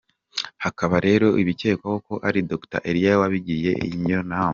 Hakaba rero bikekwako ari Dr. Eliel wabagiriye iyo nama.